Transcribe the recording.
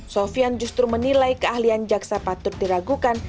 sofian justru menilai keahlian jaksa patut diragukan